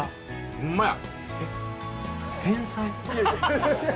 ほんまや。